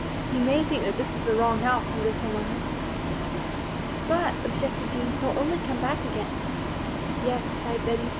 He may think that this is the wrong house and go somewhere else." "But," objected Jean, "he'll only come back again." "Yes," sighed Bettie.